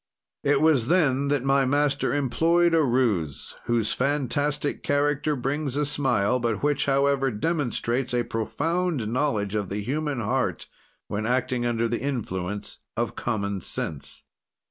"It was then that my master employed a ruse, whose fantastic character brings a smile, but which, however, demonstrates a profound knowledge of the human heart when acting under the influence of common sense.